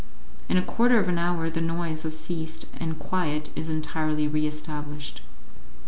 In a quarter of an hour the noise has ceased, and quiet is entirely re established.